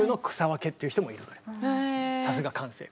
さすが感性。